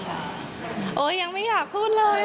ใช่ค่ะโอ้ยยังไม่อยากพูดเลยค่ะ